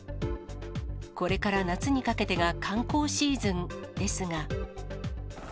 これから夏にかけてが観光シーズンですが。